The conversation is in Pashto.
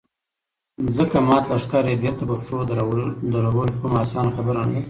ځکه مات لښکر يې بېرته په پښو درول کومه اسانه خبره نه ده.